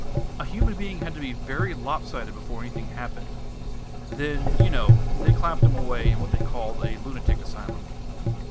A human being had to be very lopsided before anything happened. Then, you know, they clapped 'em away in what they called a lunatic asylum."